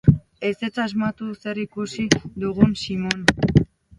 Ezetz asmatu zer ikusi dugun, Simon!